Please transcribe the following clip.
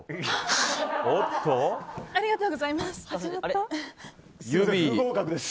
ありがとうございます。